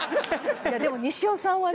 でも西尾さんはね